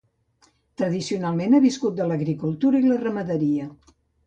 Tradicionalment, ha viscut de l'agricultura i la ramaderia.